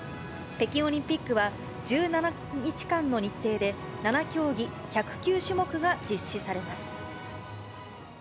北京オリンピックは１７日間の日程で、７競技１０９種目が実施されます。